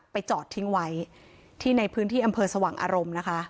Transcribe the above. จอดทิ้งไว้ที่ในพื้นที่อำเภอสว่างอารมณ์นะคะ